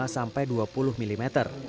lima sampai dua puluh mm